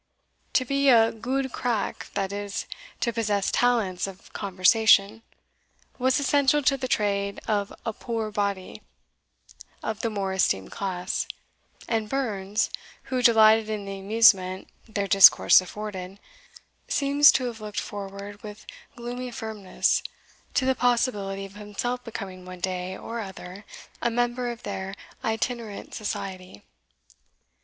To be a gude crack, that is, to possess talents for conversation, was essential to the trade of a "puir body" of the more esteemed class; and Burns, who delighted in the amusement their discourse afforded, seems to have looked forward with gloomy firmness to the possibility of himself becoming one day or other a member of their itinerant society.